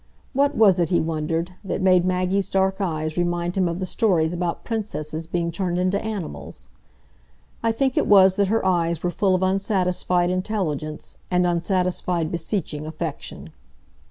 What was it, he wondered, that made Maggie's dark eyes remind him of the stories about princesses being turned into animals? I think it was that her eyes were full of unsatisfied intelligence, and unsatisfied beseeching affection.